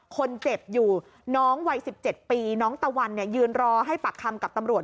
คนเจ็บอยู่น้องวัย๑๗ปีน้องตะวันยืนรอให้ปากคำกับตำรวจ